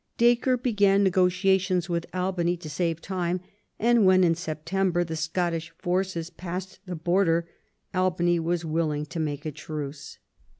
Dacre began negotiations with Albany, to save time ; and when, in September, the Scottish forces passed the Border, Albany was willing to make a truce.